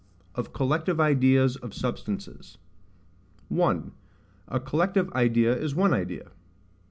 OF COLLECTIVE IDEAS OF SUBSTANCES. 1. A collective idea is one Idea.